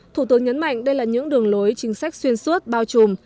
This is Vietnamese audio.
thủ tướng nhấn mạnh đây là những đường lối chính sách xuyên suốt bao trùm